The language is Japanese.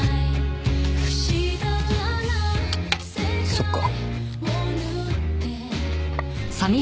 そっか。